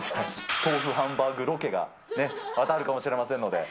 豆腐ハンバーグロケがね、またあるかもしれませんので。